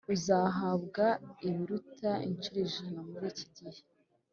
Uzahabwa ibibiruta incuro ijana muri iki gihe